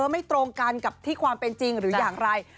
ไม่ตรงกันกับที่ความเป็นจริงหรืออย่างไร